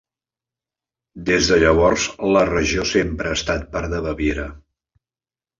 Des de llavors, la regió sempre ha estat part de Baviera.